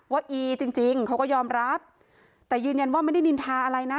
อีจริงจริงเขาก็ยอมรับแต่ยืนยันว่าไม่ได้นินทาอะไรนะ